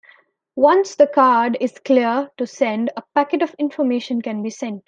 Once the card is clear to send, a packet of information can be sent.